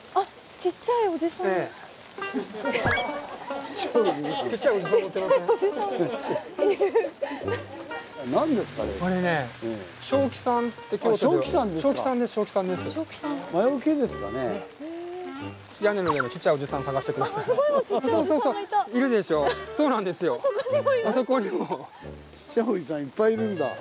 ちっちゃいおじさんいっぱいいるんだ。